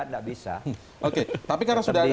tidak bisa oke tapi karena sudah